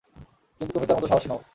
কিন্তু তুমি তার মত সাহসী নও।